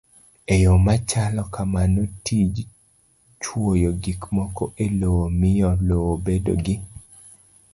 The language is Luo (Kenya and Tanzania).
E yo machalo kamano, tij chwoyo gik moko e lowo miyo lowo bedo gi